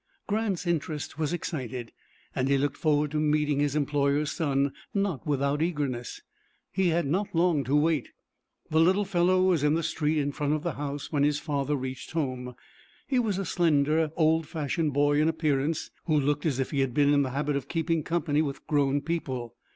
Grant's interest was excited, and he looked forward to meeting his employer's son, not without eagerness. He had not long to wait. The little fellow was in the street in front of the house when his father reached home. He was a slender, old fashioned boy in appearance, who looked as if he had been in the habit of keeping company with grown people.